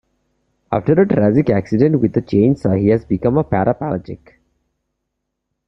After a tragic accident with a chainsaw he has become a paraplegic.